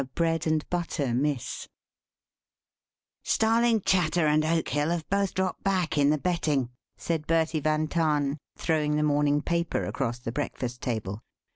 A BREAD AND BUTTER MISS "Starling Chatter and Oakhill have both dropped back in the betting," said Bertie van Tahn, throwing the morning paper across the breakfast table.